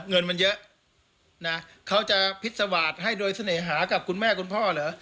เงินมันเยอะนะเขาจะพิษวาสตร์ให้โดยเสน่หากับคุณแม่คุณพ่อเหรอ